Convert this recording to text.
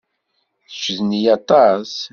Kecc d nniya aṭas.